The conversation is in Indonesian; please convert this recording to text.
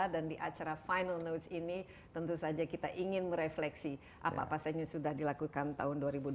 di acara final notes ini tentu saja kita ingin merefleksi apa apa saja yang sudah dilakukan tahun dua ribu dua puluh